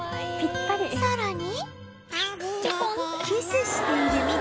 さらに